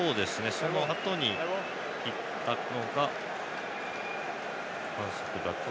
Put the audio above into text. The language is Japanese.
そのあとに行ったのが反則だったのか。